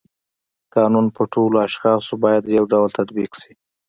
قانون په ټولو اشخاصو باید یو ډول تطبیق شي.